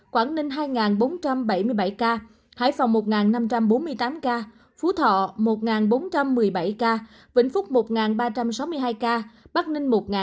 quảng ninh hai bốn trăm bảy mươi bảy ca hải phòng một năm trăm bốn mươi tám ca phú thọ một bốn trăm một mươi bảy ca vĩnh phúc một ba trăm sáu mươi hai ca bắc ninh một ba trăm sáu mươi hai ca